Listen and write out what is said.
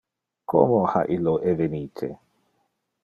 Como ha illo evenite?